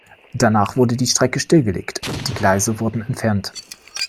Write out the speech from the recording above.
Danach wurde die Strecke stillgelegt, die Gleise wurden entfernt.